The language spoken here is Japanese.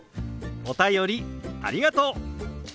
お便りありがとう！